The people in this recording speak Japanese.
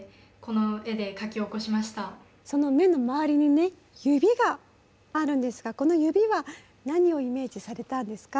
その目の周りにね指があるんですがこの指は何をイメージされたんですか？